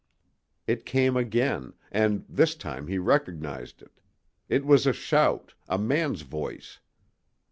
It came again, and this time he recognized it. It was a shout, a man's voice.